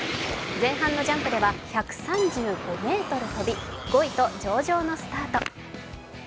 前半のジャンプでは１３５ｍ飛び５位と上々のスタート。